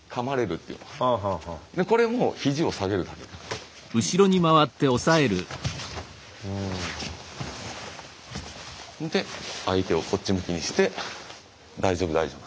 これもで相手をこっち向きにして大丈夫大丈夫って。